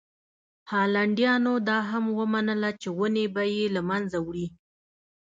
هالنډیانو دا هم ومنله چې ونې به یې له منځه وړي.